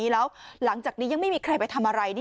และขับมอเทศมา